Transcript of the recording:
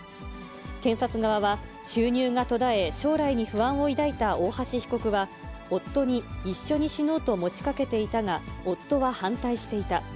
検察側は、収入が途絶え、将来に不安を抱いた大橋被告は、夫に一緒に死のうと持ちかけていたが、夫は反対していた。